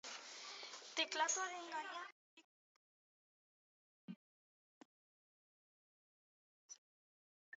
Teklatuaren gainean helikopteroarena egiten jaioak dira batzuk.